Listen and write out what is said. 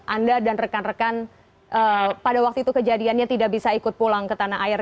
anda dan rekan rekan pada waktu itu kejadiannya tidak bisa ikut pulang ke tanah air